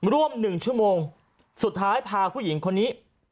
ร่วม๑ชั่วโมงสุดท้ายพาผู้หญิงคนนี้